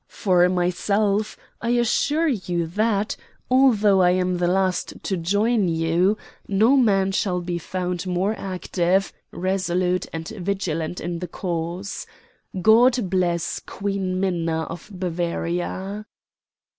For myself, I assure you that, although I am the last to join you, no man shall be found more active, resolute, and vigilant in the cause. God bless Queen Minna of Bavaria!"